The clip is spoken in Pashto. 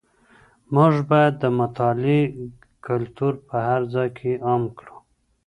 موږ بايد د مطالعې کلتور په هر ځای کي عام کړو.